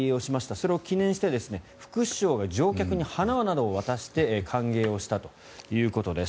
それを記念して副首相が乗客に花などを渡して歓迎をしたということです。